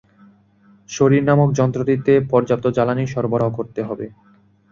শরীর নামক যন্ত্রটিতে পর্যাপ্ত জ্বালানী সরবরাহ করতে হবে।